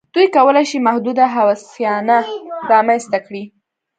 دوی کولای شي محدوده هوساینه رامنځته کړي.